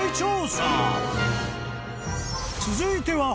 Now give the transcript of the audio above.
［続いては］